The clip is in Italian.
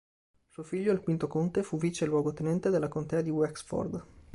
Suo figlio, il quinto conte, fu vice luogotenente della Contea di Wexford.